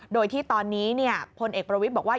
โดยที่ตอนนี้พลเอกประวิทย์บอกว่า